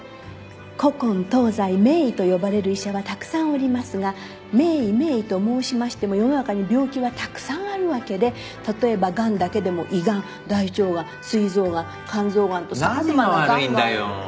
「古今東西名医と呼ばれる医者はたくさんおりますが名医名医と申しましても世の中に病気はたくさんあるわけで例えば癌だけでも胃癌大腸癌膵臓癌肝臓癌と」何が悪いんだよ。